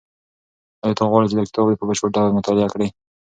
ایا ته غواړې چې دا کتاب په بشپړ ډول مطالعه کړې؟